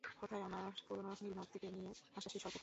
কোথায় আমার পুরনো নীলনদ থেকে নিয়ে আসা সেই সর্প?